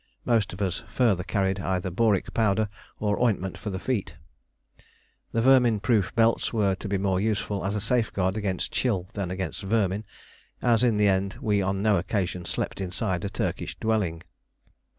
Most of us further carried either boric powder or ointment for the feet. The vermin proof belts were to be more useful as a safeguard against chill than against vermin, as in the end we on no occasion slept inside a Turkish dwelling.